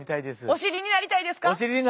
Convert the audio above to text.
お知りになりたいです。